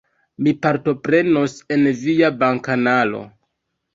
Mi partoprenos en via bakanalo.